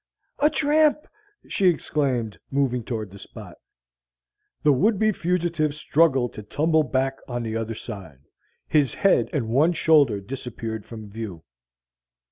"A tramp!" she exclaimed, moving toward the spot. The would be fugitive struggled to tumble back on the other side. His head and one shoulder disappeared from view.